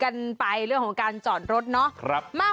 กันไปเรื่องของการจอดรถเนาะ